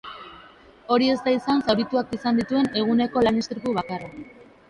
Hori ez da izan zaurituak izan dituen eguneko lan istripu bakarra.